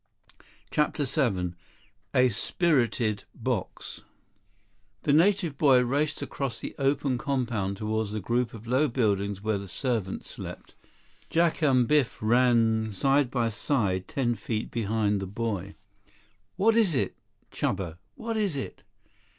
49 CHAPTER VII A "Spirited" Box The native boy raced across the open compound toward the group of low buildings where the servants slept. Jack and Biff ran side by side, ten feet behind the boy. "What is it, Chuba? What is it?"